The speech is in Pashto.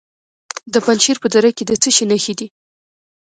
د پنجشیر په دره کې د څه شي نښې دي؟